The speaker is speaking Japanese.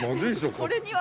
これには。